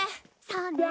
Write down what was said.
そうね。